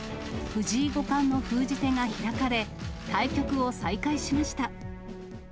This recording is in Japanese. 藤井五冠の封じ手が開かれ、対局を再開しました。